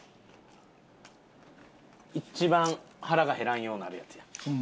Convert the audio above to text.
一番腹が減らんようなるやつや。